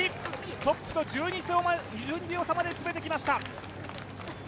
トップと１２秒差まで詰めてきました。